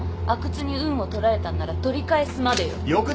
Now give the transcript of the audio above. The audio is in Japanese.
阿久津に運を取られたんなら取り返すまでよ。